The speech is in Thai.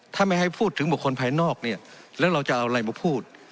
ถ้าไม่ให้พูดถึงบุคคลภายนอกเนี่ยแล้วเราจะเอาอะไรมาพูด